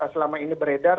selama ini beredar